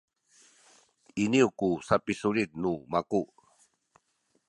iniyu ku sapisulit nu maku